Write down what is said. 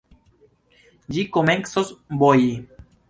Ĝi komencos boji.